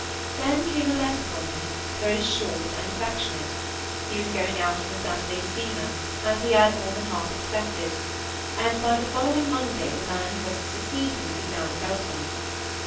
Then came a letter from him, very short and affectionate. He was going out in the Saturday steamer, as he had more than half expected; and by the following Monday the man who was to succeed him would be down at Eltham.